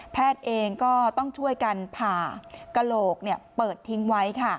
แพทย์เองก็ต้องช่วยกันผ่ากระโหลกเปิดทิ้งไว้